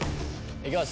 いきます。